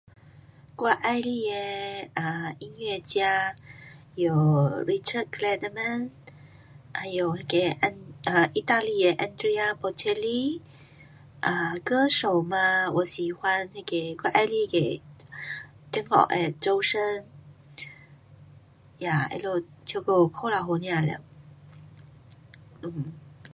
我喜欢的，啊，音乐家有 Richard clayderman, 还有那个意大利的 Andrea Bocelli, 啊，歌手嘛，我喜欢那个，我喜欢那个，中国的周深，ya, 他们唱歌过头好听了。um